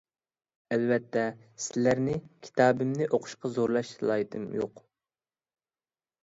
ئەلۋەتتە، سىلەرنى كىتابىمنى ئوقۇشقا زورلاش سالاھىيىتىم يوق.